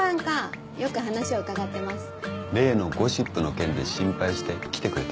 例のゴシップの件で心配して来てくれた。